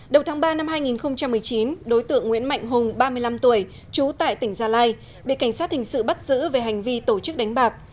đầu tháng ba năm hai nghìn một mươi chín đối tượng nguyễn mạnh hùng ba mươi năm tuổi trú tại tỉnh gia lai bị cảnh sát hình sự bắt giữ về hành vi tổ chức đánh bạc